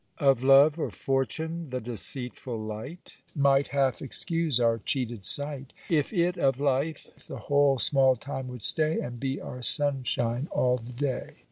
Of love or fortune the deceitful light Might half excuse our cheated sight, If it of life the whole small time would stay, And be our sunshine all the day.